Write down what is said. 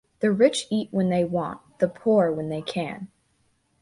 The rich eat when they want, the poor when they can.